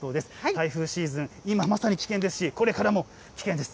台風シーズン、今まさに危険ですし、これからも危険です。